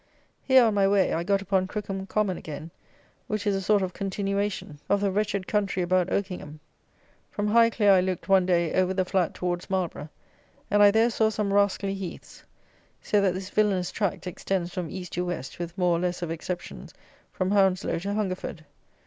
Here, on my way, I got upon Crookham Common again, which is a sort of continuation of the wretched country about Oakingham. From Highclere I looked, one day, over the flat towards Marlborough; and I there saw some such rascally heaths. So that this villanous tract, extends from East to West, with more or less of exceptions, from Hounslow to Hungerford.